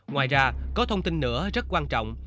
ngoài ra có thông tin nữa rất quan trọng